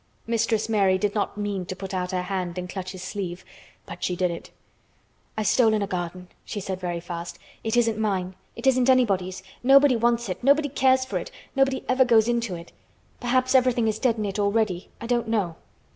Mistress Mary did not mean to put out her hand and clutch his sleeve but she did it. "I've stolen a garden," she said very fast. "It isn't mine. It isn't anybody's. Nobody wants it, nobody cares for it, nobody ever goes into it. Perhaps everything is dead in it already. I don't know."